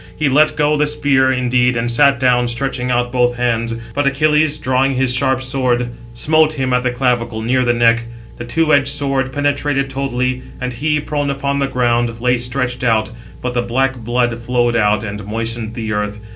He let go the spear, indeed, and sat down, stretching out both hands. But Achilles, drawing his sharp sword, smote [him] at the clavicle, near the neck. The two edged sword penetrated totally, and he, prone upon the ground, lay stretched out, but the black blood flowed out, and moistened the earth.